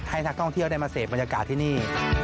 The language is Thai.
นักท่องเที่ยวได้มาเสพบรรยากาศที่นี่